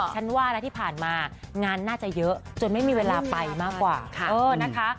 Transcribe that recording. ฉันว่าแล้วที่ผ่านมางานน่าจะเยอะจนไม่มีเวลาไปมากกว่าเออนะคะ